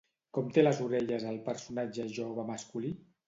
Com té les orelles el personatge jove masculí?